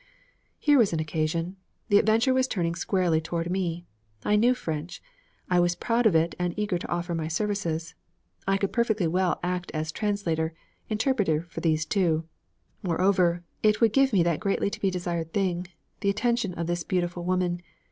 Here was an occasion! The adventure was turning squarely toward me. I knew French; I was proud of it and eager to offer my services. I could perfectly well act as translator, interpreter for these two. Moreover, it would give me that greatly to be desired thing, the attention of this beautiful woman.